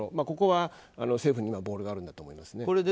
ここは政府にはボールが回ると思いますね。